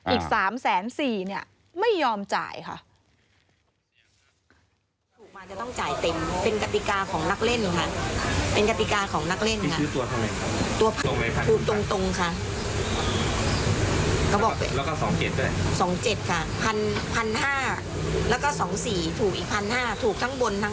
อีก๓๔๐๐เนี่ยไม่ยอมจ่ายค่ะ